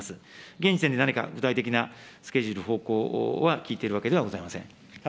現時点で何か具体的なスケジュールや方向は、聞いているわけではございません。